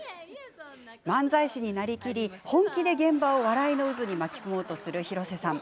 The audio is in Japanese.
漫才師になりきり本気で現場を笑いの渦に巻き込もうとする広瀬さん。